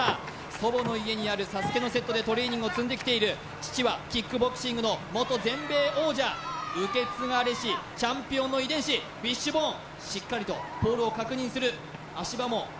祖母の家にあるＳＡＳＵＫＥのセットでトレーニングを積んできている父はキックボクシングの元全米王者受け継がれしチャンピオンの遺伝子落ち着いて見てクリアしたオーケー！